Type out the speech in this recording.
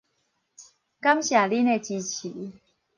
感謝恁的支持